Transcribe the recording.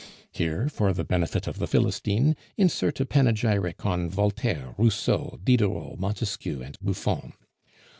Here, for the benefit of the philistine, insert a panegyric on Voltaire, Rousseau, Diderot, Montesquieu, and Buffon.